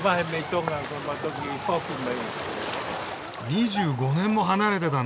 ２５年も離れてたんだ。